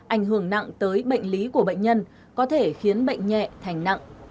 ảnh hưởng nặng tới bệnh lý của bệnh nhân có thể khiến bệnh nhẹ thành nặng